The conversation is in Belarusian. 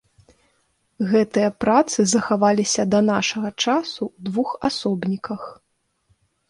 Гэтыя працы захаваліся да нашага часу ў двух асобніках.